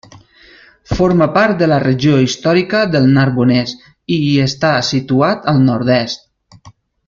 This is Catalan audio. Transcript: Forma part de la regió històrica del Narbonès i hi està situat al nord-oest.